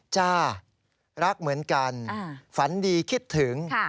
จ้ารักเหมือนกันฝันดีคิดถึง